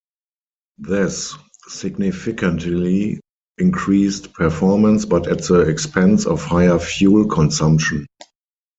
This significantly increased performance, but at the expense of higher fuel consumption.